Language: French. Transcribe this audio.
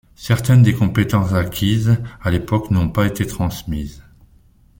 Certaines des compétences acquises à l’époque n’ont pas été transmises.